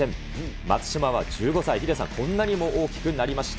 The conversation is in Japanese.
松島は１５歳、ヒデさん、こんなにも大きくなりました。